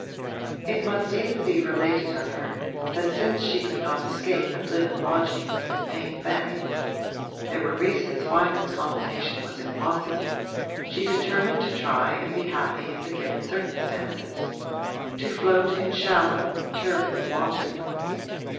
It must even be related of her that since she could not escape and live in lodgings and paint fans (there were reasons why this combination was impossible) she determined to try and be happy in the given circumstances to float in shallow, turbid water.